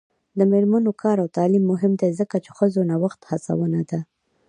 د میرمنو کار او تعلیم مهم دی ځکه چې ښځو نوښت هڅونه ده.